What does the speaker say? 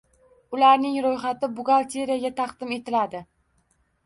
Ularning ro‘yxati buxgalteriyaga taqdim etiladi.